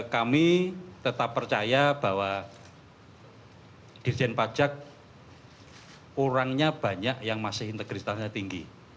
kami tetap percaya bahwa dirjen pajak orangnya banyak yang masih integritasnya tinggi